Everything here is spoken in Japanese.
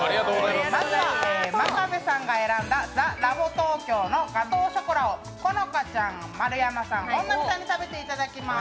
まずは真壁さんが選んだザ・ラボ・トーキョーのガトーショコラをこのかちゃん、丸山さん、本並さんに食べていただきます。